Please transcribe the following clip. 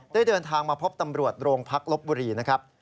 เดินทางมาพบตำรวจโรงพักลบบุรีนะครับ